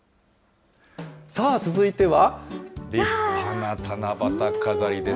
さあ続いては、立派な七夕飾りです。